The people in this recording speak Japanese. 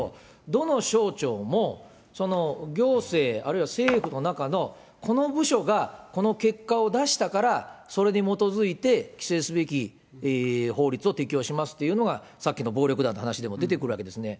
どの省庁も行政、あるいは政府の中のこの部署がこの結果を出したから、それに基づいて規制すべき法律を適用しますっていうのが、さっきの暴力団の話でも出てくるわけですね。